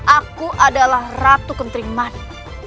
aku adalah ratu kentering manik